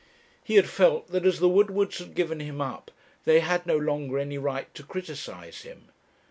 He had felt that as the Woodwards had given him up, they had no longer any right to criticize him.